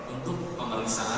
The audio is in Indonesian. untuk melaksanakan penyelidikan